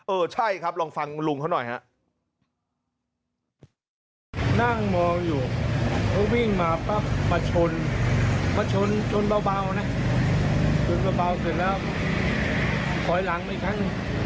เออใช่ครับลองฟังลุงเขาหน่อยครับ